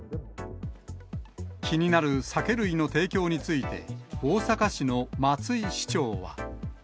気になる酒類の提供について、大阪市の松井市長は。